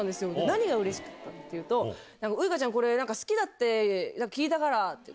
何がうれしかったかって言うと、ウイカちゃん、これ好きだって聞いたからって。